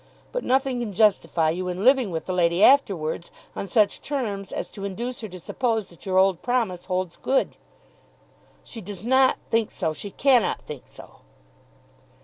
But nothing can justify you in living with the lady afterwards on such terms as to induce her to suppose that your old promise holds good." "She does not think so. She cannot think so."